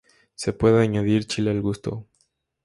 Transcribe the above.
Se puede añadir chile al gusto.